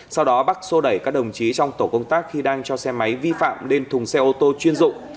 sau đó bắc xô đẩy các đồng chí trong tổ công tác khi đang cho xe máy vi phạm lên thùng xe ô tô chuyên dụng